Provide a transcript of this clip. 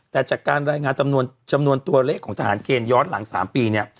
แต่จากการรายงานจำนวนตัวเลขของทหารเกณฑ์ย้อนหลัง๓ปีเนี่ย